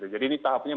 jadi ini tahapnya